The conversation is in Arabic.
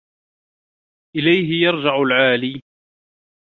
إلَيْهِ يَرْجِعُ الْعَالِي